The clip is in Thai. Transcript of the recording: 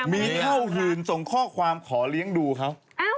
มีเท่าหื่นส่งข้อความขอเลี้ยงดูเขา